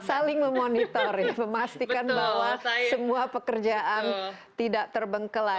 saling memonitor ya memastikan bahwa semua pekerjaan tidak terbengkelai